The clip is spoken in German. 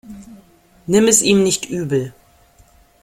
Nimm es ihm nicht übel.